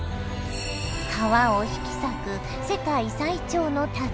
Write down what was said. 川を引き裂く世界最長の滝。